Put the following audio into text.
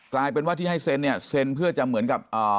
กลายเป็นว่าที่ให้เซ็นเนี่ยเซ็นเพื่อจะเหมือนกับอ่า